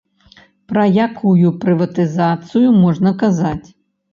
Пра якую прыватызацыю можна казаць?